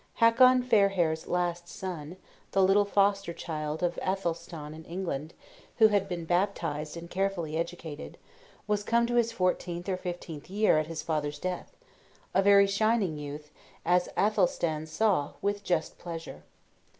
Hakon Fairhair's last son, the little foster child of Athelstan in England, who had been baptized and carefully educated, was come to his fourteenth or fifteenth year at his father's death; a very shining youth, as Athelstan saw with just pleasure.